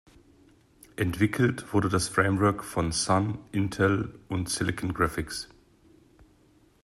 Entwickelt wurde das Framework von Sun, Intel und Silicon Graphics.